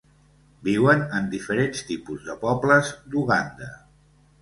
Viuen en diferents tipus de pobles d'Uganda.